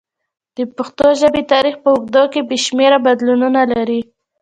د پښتو ژبې تاریخ په اوږدو کې بې شمېره بدلونونه لري.